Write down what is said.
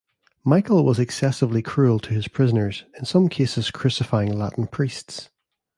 Michael was excessively cruel to his prisoners, in some cases crucifying Latin priests.